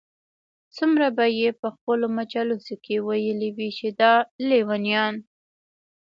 څومره به ئې په خپلو مجالسو كي ويلي وي چې دا ليونيان